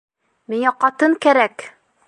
Миңә ҡатын кәрәк!